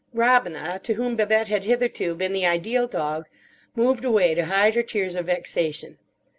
Robina, to whom Babette had hitherto been the ideal dog, moved away to hide her tears of vexation.